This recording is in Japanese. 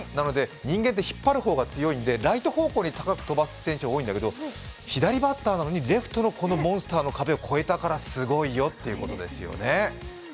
人間って引っ張る方が強いんでライト方向に高く飛ばす選手が多いんだけど左バッターなのにレフトのモンスターの壁を越えたからすごいよっていうことですね。